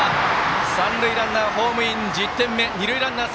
三塁ランナーホームイン、１０点目。